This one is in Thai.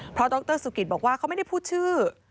เพราะดรสุกิตบอกว่าเขาไม่ได้พูดชื่อ